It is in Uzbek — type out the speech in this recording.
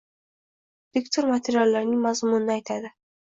Diktor materiallarning mazmunini aytadi.